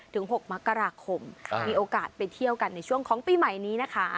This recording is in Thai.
๖มกราคมมีโอกาสไปเที่ยวกันในช่วงของปีใหม่นี้นะคะ